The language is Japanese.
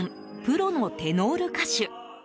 プロのテノール歌手。